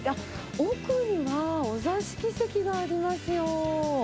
奥にはお座敷席がありますよ。